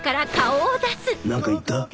何か言った？